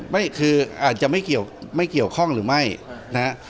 ไม่คืออาจจะไม่เกี่ยวข้องหรือไม่นะครับ